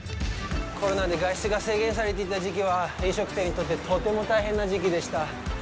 コロナで外出が制限されていた時期は飲食店にとって大変な時期でした。